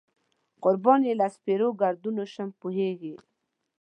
قربان یې له سپېرو ګردونو شم، پوهېږې.